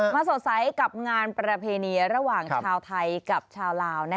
สดใสกับงานประเพณีระหว่างชาวไทยกับชาวลาว